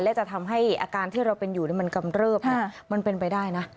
และจะทำให้อาการที่เราเป็นอยู่มันกำเริบมันเป็นไปได้นะ